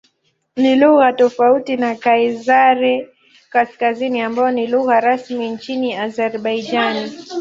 Ni lugha tofauti na Kiazeri-Kaskazini ambayo ni lugha rasmi nchini Azerbaijan.